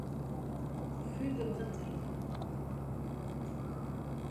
Rue de Bretagne.